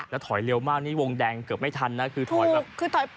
แล้วถอยเร็วมากนี่วงแดงเกือบไม่ทันนะคือถอยแบบคือถอย